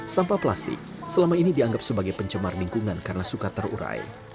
sampah plastik selama ini dianggap sebagai pencemar lingkungan karena suka terurai